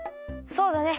そうだね。